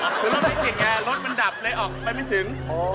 รถไม่ติดงานรถมันดับเลยออกไปไม่ถึง